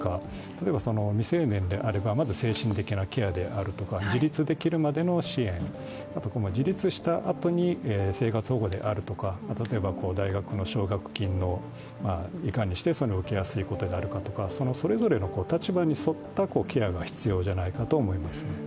例えば、未成年であればまず精神的なケアであるとか、自立できるまでの支援、自立したあとに、生活保護であるとか例えば大学の奨学金をいかに受けやすくするかとか、そのそれぞれの立場に沿ったケアが必要じゃないかと思います。